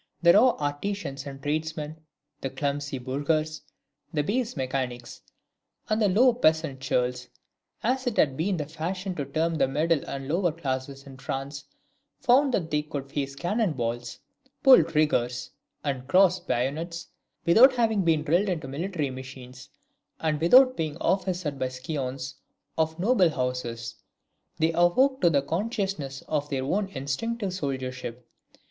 The raw artisans and tradesmen, the clumsy burghers, the base mechanics and low peasant churls, as it had been the fashion to term the middle and lower classes in France, found that they could face cannon balls, pull triggers, and cross bayonets, without having been drilled into military machines, and without being officered by scions of noble houses. They awoke to the consciousness of their own instinctive soldiership.